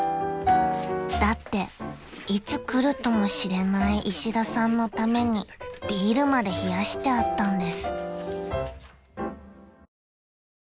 ［だっていつ来るともしれない石田さんのためにビールまで冷やしてあったんです］